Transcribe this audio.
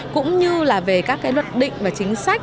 cũng như là về các cái luật định và chính sách